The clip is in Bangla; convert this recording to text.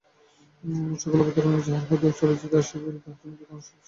সকল অবতারই, তাঁহারা যাহা প্রচার করিতে আসিয়াছিলেন, তাহার জীবন্ত উদাহরণস্বরূপ ছিলেন।